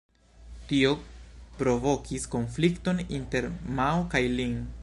Tio provokis konflikton inter Mao kaj Lin.